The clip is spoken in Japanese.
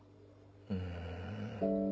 うん。